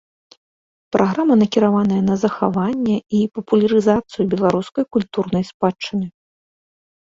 Праграма накіраваная на захаванне і папулярызацыю беларускай культурнай спадчыны.